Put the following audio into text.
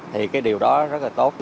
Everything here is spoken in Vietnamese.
thì cái điều đó rất là tốt